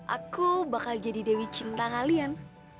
aku bakal jadi dewi cinta kalian